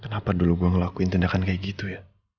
kenapa dulu gue ngelakuin tindakan kayak gitu ya